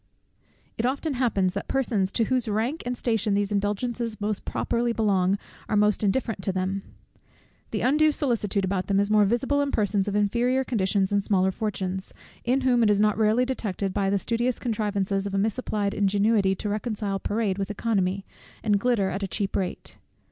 It often happens, that persons, to whose rank and station these indulgences most properly belong, are most indifferent to them. The undue solicitude about them is more visible in persons of inferior conditions and smaller fortunes, in whom it is not rarely detected by the studious contrivances of a misapplied ingenuity to reconcile parade with oeconomy, and glitter at a cheap rate.